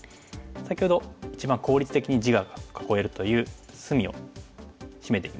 先ほど一番効率的に地が囲えるという隅をシメていきましたね。